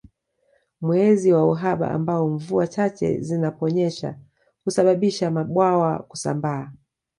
Mwezi wa uhaba ambao mvua chache zinaponyesha husababisha mabwawa kusambaa